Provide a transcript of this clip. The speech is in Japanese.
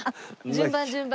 順番順番。